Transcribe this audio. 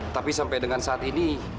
tapi sampai dengan saat ini